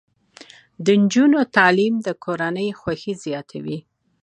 د نجونو تعلیم د کورنۍ خوښۍ زیاتوي.